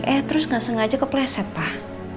eh terus gak sengaja kepleset pak